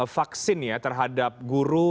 vaksin terhadap guru